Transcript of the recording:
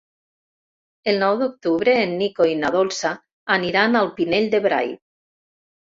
El nou d'octubre en Nico i na Dolça aniran al Pinell de Brai.